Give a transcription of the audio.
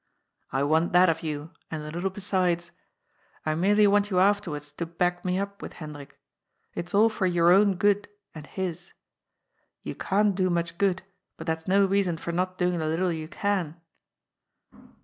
^' I want that of you, and a little besides. I merely want you afterwards to back me up with Hendrik. It's all for your own good and his. You can't do much good, but that's no reason for not doing the little you can."